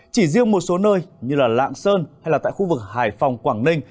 chỉ riêng một số nơi như lạng sơn hay là tại khu vực hải phòng quảng ninh